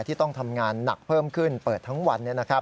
ที่ต้องทำงานหนักเพิ่มขึ้นเปิดทั้งวัน